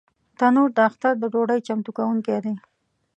تنور د اختر د ډوډۍ چمتو کوونکی دی